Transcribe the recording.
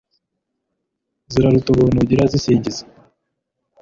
zirata ubuntu ugira, zisingiza